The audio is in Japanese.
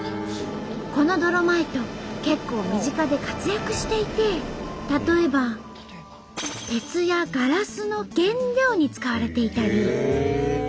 このドロマイト結構身近で活躍していて例えば鉄やガラスの原料に使われていたり。